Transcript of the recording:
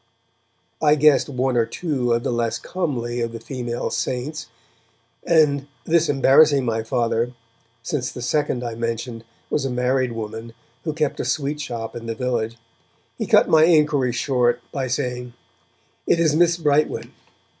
I guessed one or two of the less comely of the female 'saints', and, this embarrassing my Father, since the second I mentioned was a married woman who kept a sweet shop in the village, he cut my inquiries short by saying, 'It is Miss Brightwen.'